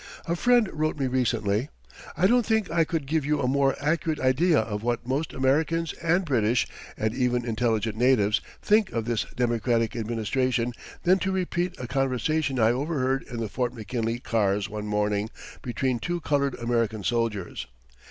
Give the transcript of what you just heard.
A friend wrote me recently, "I don't think I could give you a more accurate idea of what most Americans and British, and even intelligent natives, think of this Democratic administration than to repeat a conversation I overheard in the Fort McKinley cars one morning between two coloured American soldiers.